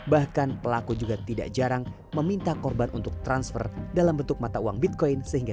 bahkan pelaku juga tidak jarang meminta korban untuk transfer dalam bentuk mata uang bitcoin sehingga